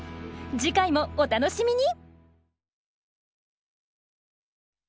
次回もお楽しみに！